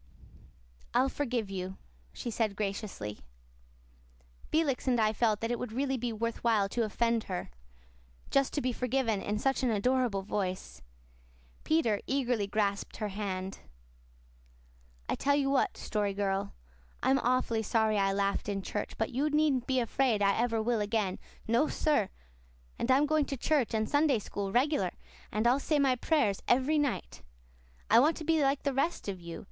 "I forgive you," she said graciously. Felix and I felt that it would really be worth while to offend her, just to be forgiven in such an adorable voice. Peter eagerly grasped her hand. "I tell you what, Story Girl, I'm awfully sorry I laughed in church, but you needn't be afraid I ever will again. No, sir! And I'm going to church and Sunday School regular, and I'll say my prayers every night. I want to be like the rest of you.